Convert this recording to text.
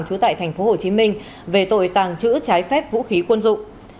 trú tại tp hcm về tội tàng trữ trái phép vũ khí quân dụng